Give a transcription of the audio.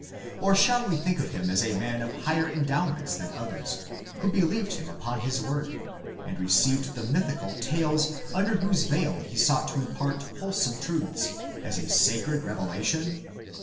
Or shall we think of him as a man of higher endowments than others, who believed him upon his word; and received the mythical tales under whose veil he sought to impart wholesome truths, as a sacred revelation?